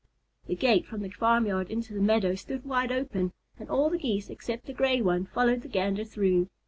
The gate from the farmyard into the meadow stood wide open, and all the Geese except the Gray one followed the Gander through.